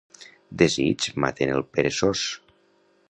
Desigs maten el peresós.